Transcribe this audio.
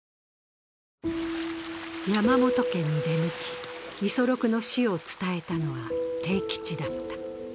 山本家に出向き、五十六の死を伝えたのは悌吉だった。